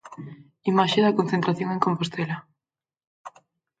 Imaxe da concentración en Compostela.